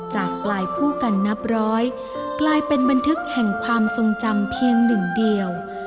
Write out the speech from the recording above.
จากปลายผู้กันนับร้อยกลายเป็นบันทึกแห่งความทรงจำเพียงหนึ่งเดียว